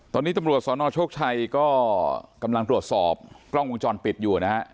ตอนนี้ตำรวจสนโชคชัยก็กำลังตรวจสอบกล้องวงจรปิดอยู่นะฮะ